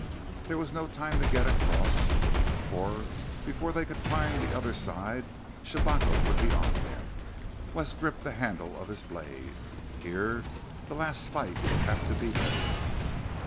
There was no time to get across, for before they could climb the other side Shabako would be on them. Wes gripped the handle of his blade. Here the last fight would have to be made.